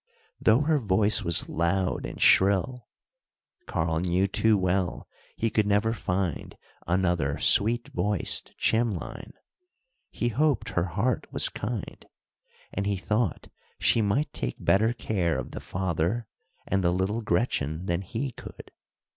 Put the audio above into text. Though her voice was loud and shrill (Karl knew too well he could never find another sweet voiced Chimlein) he hoped her heart was kind, and he thought she might take better care of the father and the little Gretchen than he could.